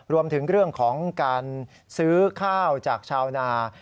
รวมถึงเรื่องของการซื้อข้าวจากชาวนา